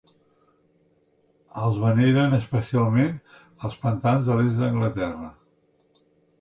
El veneren especialment als pantans de l'est d'Anglaterra.